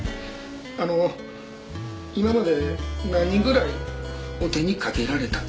あの今まで何人ぐらいお手にかけられたというか。